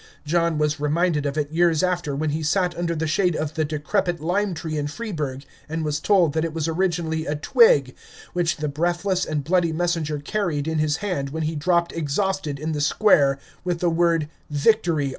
John was reminded of it years after when he sat under the shade of the decrepit lime tree in Freiburg and was told that it was originally a twig which the breathless and bloody messenger carried in his hand when he dropped exhausted in the square with the word "Victory!"